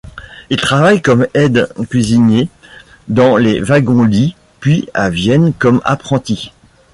Il travaille comme aide-cuisinier dans les Wagons-lits puis à Vienne comme apprenti.